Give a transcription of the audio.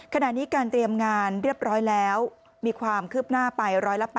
ขณะนี้การเตรียมงานเรียบร้อยแล้วมีความคืบหน้าไป๑๘๐